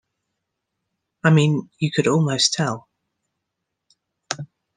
I mean, you could almost tell.